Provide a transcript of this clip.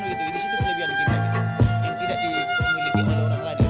itu sudah lebih yang kita yang tidak dimiliki oleh orang lain